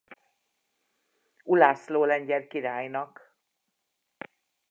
Ulászló lengyel királynak.